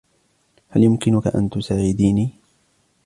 هل يمكنك ان تساعديني ؟